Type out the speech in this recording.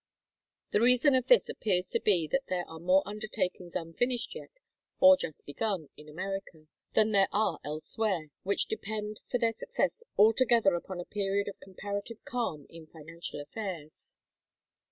The reason of this appears to be that there are more undertakings unfinished yet, or just begun, in America, than there are elsewhere, which depend for their success altogether upon a period of comparative calm in financial affairs.